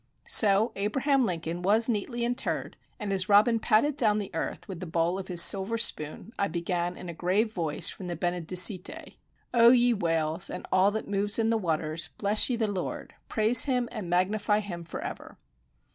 So Abraham Lincoln was neatly interred; and as Robin patted down the earth with the bowl of his silver spoon, I began in a grave voice from the Benedicite: "O ye Whales, and all that move in the waters, bless ye the Lord: praise Him, and magnify Him for ever."